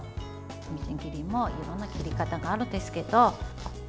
みじん切りもいろんな切り方があるんですけど。